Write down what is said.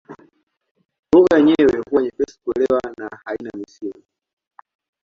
Lugha yenyewe huwa nyepesi kuelewa na haina misimu.